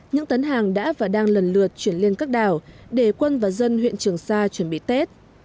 những tấn hàng đã và đang lần lượt chuyển lên các đảo để quân và dân huyện trường sa chuẩn bị tết